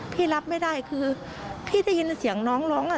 พี่รับไม่ได้คือพี่ได้ยินเสียงน้องร้องอ่ะ